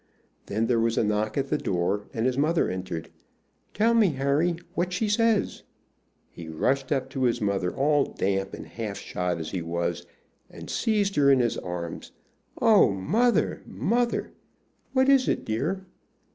Then there was a knock at the door, and his mother entered, "Tell me, Harry, what she says." He rushed up to his mother, all damp and half shod as he was, and seized her in his arms. "Oh, mother, mother!" "What is it, dear?"